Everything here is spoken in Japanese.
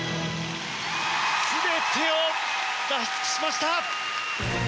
全てを出し尽くしました。